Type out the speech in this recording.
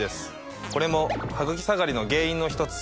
これもハグキ下がりの原因の一つ。